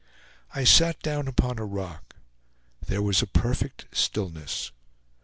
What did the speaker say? I sat down upon a rock; there was a perfect stillness.